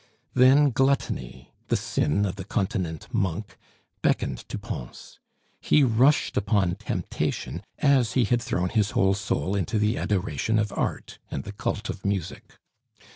Then Gluttony, the sin of the continent monk, beckoned to Pons; he rushed upon temptation, as he had thrown his whole soul into the adoration of art and the cult of music.